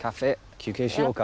休憩しようか。